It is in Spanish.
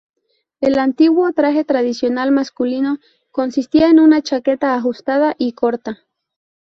El antiguo traje tradicional masculino consistía en una chaqueta ajustada y corta.